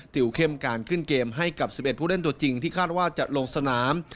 ติวเข้มการขึ้นเกมให้กับ๑๑ผู้เล่นตัวจริงที่คาดว่าจะลงสนาม